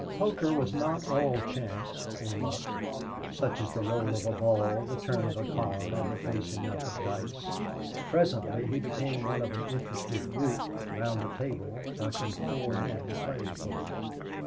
Poker was not all chance or luck, such as the roll of a ball, the turn of a card, or the facing up of dice. Presently he became one of an interested group round a table watching four men play poker.